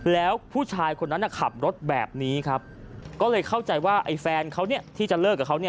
แล้วผู้ชายคนนั้นขับรถแบบนี้ครับก็เลยเข้าใจว่าไอ้แฟนเขาเนี่ยที่จะเลิกกับเขา